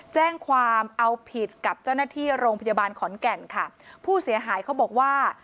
แจ้งความเอาผิดกับเจ้าหน้าที่โรงพยาบาลขอนแก่นค่ะผู้เสียหายเขาบอกว่า